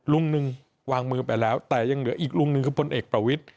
ลุงหนึ่งวางมือไปแล้วแต่ยังเหลืออีกลุงหนึ่งคือพลเอกประวิทธิ